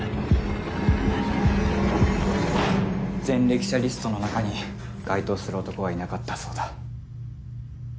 前歴者リストの中に該当する男はいなかったそうだ